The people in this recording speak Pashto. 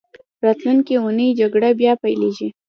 راتلونکې اونۍ جګړه بیا پیلېږي.